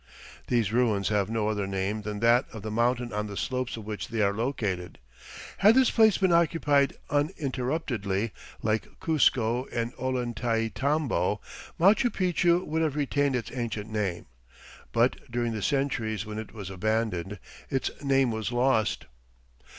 These ruins have no other name than that of the mountain on the slopes of which they are located. Had this place been occupied uninterruptedly, like Cuzco and Ollantaytambo, Machu Picchu would have retained its ancient name, but during the centuries when it was abandoned, its name was lost.